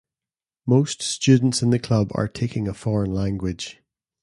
Most students in the club are taking a foreign language.